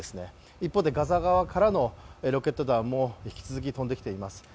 一方でガザ側からのロケット弾も引き続き飛んできています。